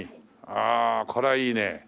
ああこれはいいね。